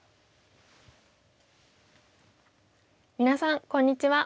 皆さんこんにちは。